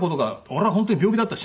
「俺は本当に病気だった。